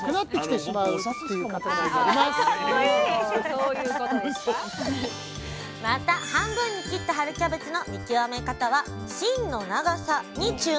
それ以上また半分に切った春キャベツの見極め方は芯の長さに注目！